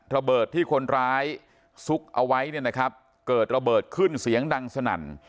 ระเบิดที่คนร้ายซุกเอาไว้เกิดระเบิดขึ้นเสียงดังสนั่น